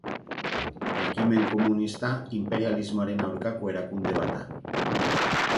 Ekimen Komunista inperialismoaren aurkako erakunde bat da.